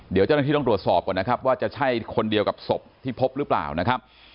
เดี๋ยวเจ้าหน้าที่ต้องตรวจสอบก่อนนะครับว่าจะใช่คนเดียวกับศพที่พบหรือเปล่านะครับ